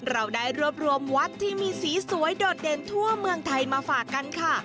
เราได้รวบรวมวัดที่มีสีสวยโดดเด่นทั่วเมืองไทยมาฝากกันค่ะ